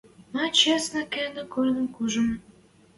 Мӓ честно кеннӓ корным кужым